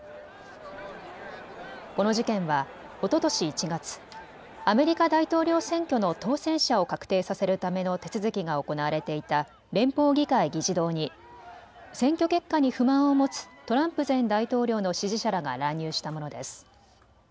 この事件はおととし１月、アメリカ大統領選挙の当選者を確定させるための手続きが行われていた連邦議会議事堂に選挙結果に不満を持つトランプ前大統領の支持者らが乱入したものです。